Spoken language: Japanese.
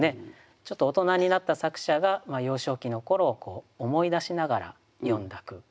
ちょっと大人になった作者が幼少期の頃を思い出しながら詠んだ句。